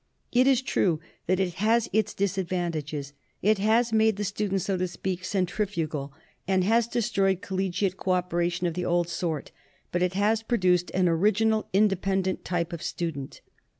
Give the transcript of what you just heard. It is true that it has its disadvantages, it has made the student, so to speak, centrifugal, and has de stroyed collegiate co operation of the old sort. But it has produced an original, independent type of student.